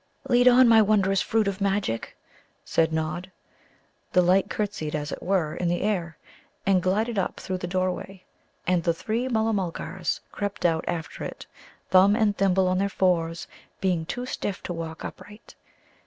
"Lead on, my wondrous fruit of magic!" said Nod. The light curtsied, as it were, in the air, and glided up through the doorway; and the three Mulla mulgars crept out after it, Thumb and Thimble on their fours, being too stiff to walk upright.